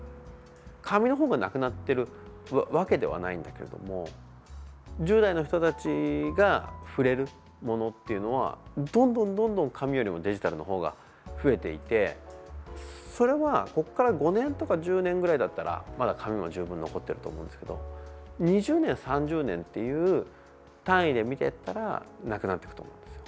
紙の方がなくなってるわけではないんだけれども１０代の人たちが触れるものっていうのはどんどん、どんどん紙よりもデジタルの方が増えていてそれは、ここから５年とか１０年ぐらいだったらまだ紙も十分残ってると思うんですけど２０年、３０年という単位で見ていったらなくなっていくと思うんですよ。